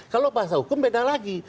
kalau bahasa hukum beda lagi